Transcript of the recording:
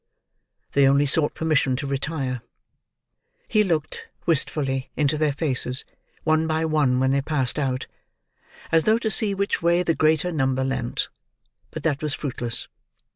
They only sought permission to retire. He looked, wistfully, into their faces, one by one when they passed out, as though to see which way the greater number leant; but that was fruitless.